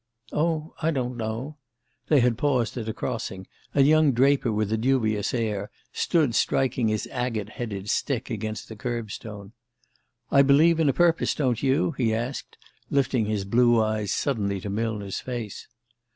"Oh, I don't know." They had paused at a crossing, and young Draper, with a dubious air, stood striking his agate headed stick against the curb stone. "I believe in a purpose, don't you?" he asked, lifting his blue eyes suddenly to Millner's face.